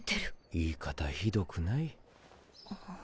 言い方ひどくない？